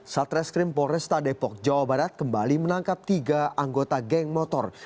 satreskrim polresta depok jawa barat kembali menangkap tiga anggota geng motor